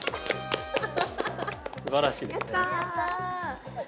すばらしいですね。